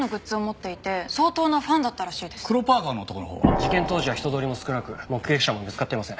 事件当時は人通りも少なく目撃者も見つかっていません。